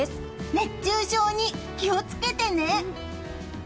熱中症に気を付けてね！